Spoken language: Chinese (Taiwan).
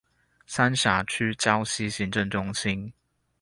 三峽區礁溪行政中心